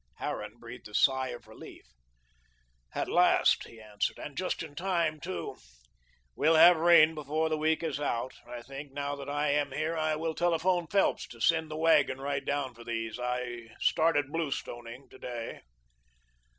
Harran breathed a sigh of relief. "At last," he answered, "and just in time, too. We'll have rain before the week is out. I think, now that I am here, I will telephone Phelps to send the wagon right down for these. I started blue stoning to day."